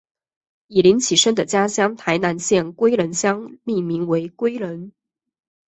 以林启生的家乡台南县归仁乡命名为归仁。